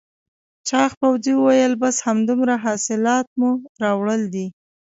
چاغ پوځي وویل بس همدومره حاصلات مو راوړل دي؟